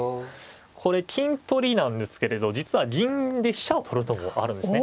これ金取りなんですけれど実は銀で飛車を取る手があるんですね。